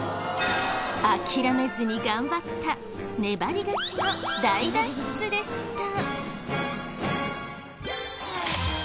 諦めずに頑張った粘り勝ちの大脱出でした。